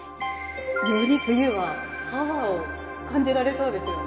より冬はパワーを感じられそうですよね。